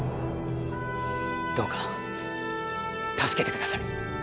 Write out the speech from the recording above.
どうか助けてください。